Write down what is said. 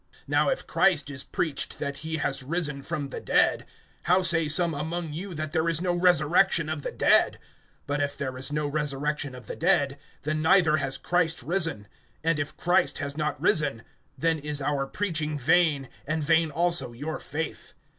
(12)Now if Christ is preached that he has risen from the dead, how say some among you that there is no resurrection of the dead? (13)But if there is no resurrection of the dead, then neither has Christ risen; (14)and if Christ has not risen, then is our preaching vain, and vain also your faith.